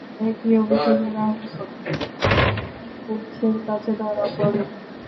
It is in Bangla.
একই অভিযোগে রাহুল ও আনু পুলিশের কাছে ধরা পরেন।